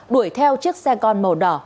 đuổi theo chiếc xe con màu đỏ